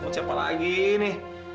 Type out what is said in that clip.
kau mau siapa lagi ini